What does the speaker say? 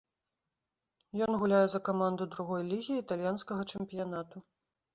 Ён гуляе за каманду другой лігі італьянскага чэмпіянату.